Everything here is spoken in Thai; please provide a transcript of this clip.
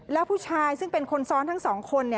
แล้วผู้ชายซึ่งเป็นคนซ้อนทั้งสองคน